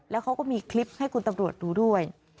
แล้วเขาก็มีคลิปให้คุณตำรวจดูด้วย